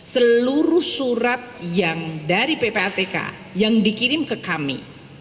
seluruh surat yang dari ppatk yang dikirim ke kami